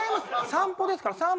散歩ですから。